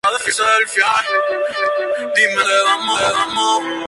Está ahora extinta en estado silvestre.